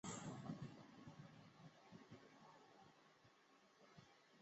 巴巴苏兰迪亚是巴西托坎廷斯州的一个市镇。